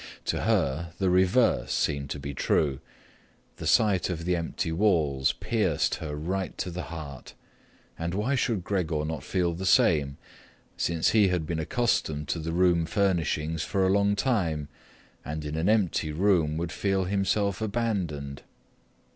To her the reverse seemed to be true; the sight of the empty walls pierced her right to the heart, and why should Gregor not feel the same, since he had been accustomed to the room furnishings for a long time and in an empty room would feel himself abandoned?